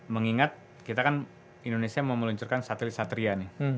mengingat kita kan indonesia mau meluncurkan satelit satria nih